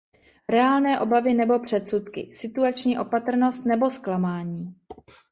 Reálné obavy nebo předsudky, situační opatrnost nebo zklamání?